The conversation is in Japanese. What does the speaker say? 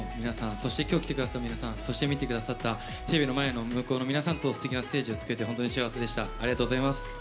そして今日来てくださった皆さんそして見てくださったテレビの前の向こうの皆さんとすてきなステージを作れて本当に幸せでした。